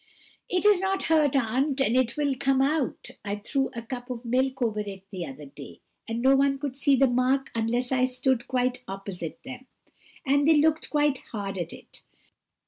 "It is not hurt, aunt; it will all come out. I threw a cup of milk over it the other day, and no one could see the mark unless I stood quite opposite them, and they looked quite hard at it."